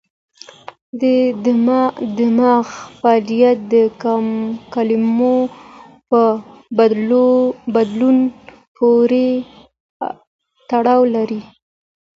د دماغ فعالیت د کولمو په بدلون پورې تړاو لري.